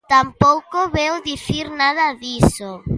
Tampouco veu dicir nada diso.